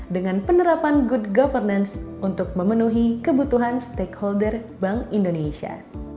dengan penerapan good governance untuk memenuhi kebutuhan stakeholder bank indonesia